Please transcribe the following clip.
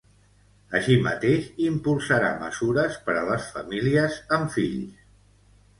Així mateix, impulsarà mesures per a les famílies amb fills.